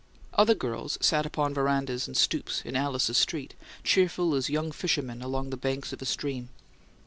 Other girls sat upon verandas and stoops in Alice's street, cheerful as young fishermen along the banks of a stream.